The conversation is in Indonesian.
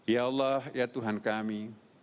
ya allah ya tuhan kami